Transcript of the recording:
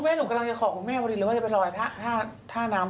โอ้วคุณแม่ลูกจะขอบอกคุณแม่เรื่อยว่าจะไปลอยท่าน้ำบ้าง